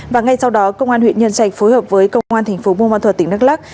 và ngay sau đó công an huyện nhân trạch phối hợp với công an thành phố môn văn thuật tỉnh đắk lắk